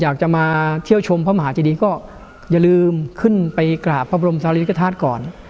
อยากจะมาเที่ยวชมพระมหาเจดีก็อย่าลืมขึ้นไปกราบพระบรมศาลิกฐาตุก่อน